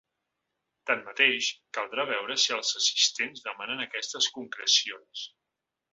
Tanmateix, caldrà veure si els assistents demanen aquestes concrecions.